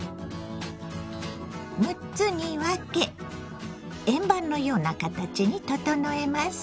６つに分け円盤のような形に整えます。